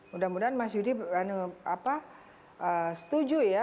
mudah mudahan mas yudi setuju ya